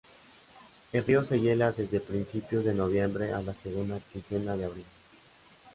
El río se hiela desde principios de noviembre a la segunda quincena de abril.